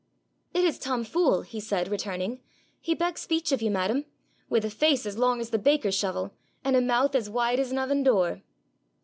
'It is Tom Fool,' he said, returning. 'He begs speech of you, madam with a face as long as the baker's shovel, and a mouth as wide as an oven door.'